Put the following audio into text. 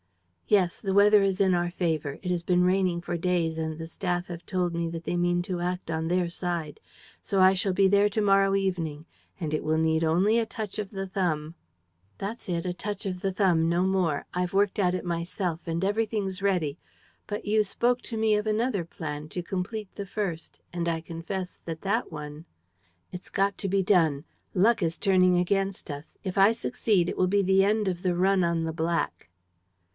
"Yes. The weather is in our favor. It has been raining for days and the staff have told me that they mean to act on their side. So I shall be there to morrow evening; and it will only need a touch of the thumb ..." "That's it, a touch of the thumb, no more. I've worked at it myself and everything's ready. But you spoke to me of another plan, to complete the first; and I confess that that one ..." "It's got to be done. Luck is turning against us. If I succeed, it will be the end of the run on the black."